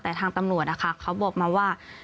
แต่ทางตำรวจนะคะเขาบอกมาว่า